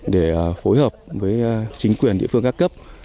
để phối hợp với chính quyền địa phương các cấp